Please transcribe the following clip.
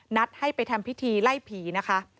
นัดให้ไปทำพิธีไล่ผีนะคะ